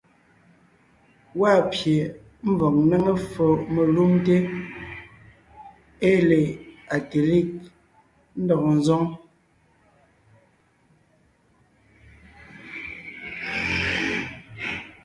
Gwaa pye ḿvɔg ńnéŋe ffo melumte ée le Agtelig ńdɔg ńzoŋ.